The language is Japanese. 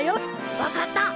わかった！